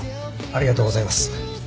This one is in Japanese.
ありがとうございます。